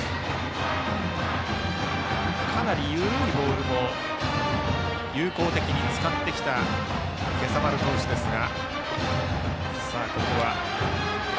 かなり緩いボールも有効的に使ってきた今朝丸ですが。